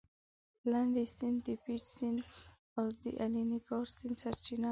لنډی سیند د پېج سیند او د الینګار سیند سرچینه اخلي.